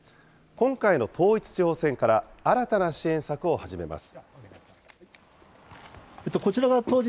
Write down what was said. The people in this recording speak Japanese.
今回の統一地方選から、新たな支援策を始めます。